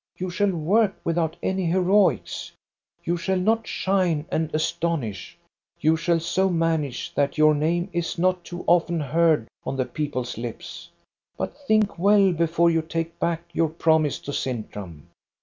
You shall work without any heroics ; you shall not shine and astonish; you shall so manage that your 454 THE STORY OF GOSTA BERUNG name is not too often heard on the people's lips. But think well before you take back your promise to Sintram.